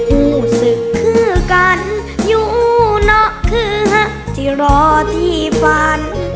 รู้สึกคือกันอยู่เนาะเครือที่รอที่ฝัน